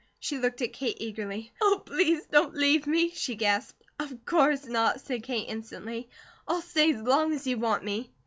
She looked at Kate eagerly. "Oh, please don't leave me," she gasped. "Of course not!" said Kate instantly. "I'll stay as long as you want me."